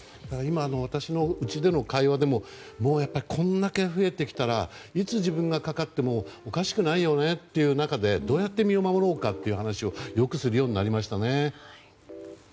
今、私の家での会話でも、これだけ増えてきたらいつ自分がかかってもおかしくないよねという中でどうやって身を守ろうかという話をよくするようになりますよね。